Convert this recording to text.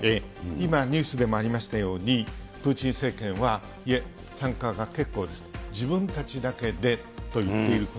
今ニュースでもありましたように、プーチン政権は、いえ、参加は結構です、自分たちだけでと言っていること。